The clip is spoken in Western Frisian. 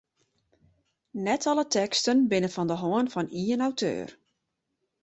Net alle teksten binne fan de hân fan ien auteur.